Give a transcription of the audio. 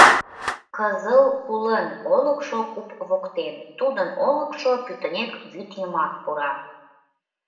«Кзыл Кулын» олыкшо куп воктен... тудын олыкшо пӱтынек вӱд йымак пура...